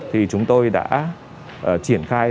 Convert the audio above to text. thì chúng tôi đã triển khai